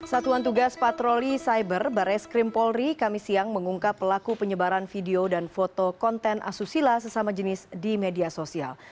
satuan tugas patroli cyber barres krim polri kami siang mengungkap pelaku penyebaran video dan foto konten asusila sesama jenis di media sosial